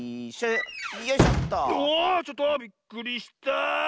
うおちょっとびっくりしたあ。